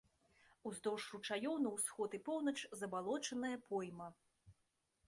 Уздоўж ручаёў на ўсход і поўнач забалочаная пойма.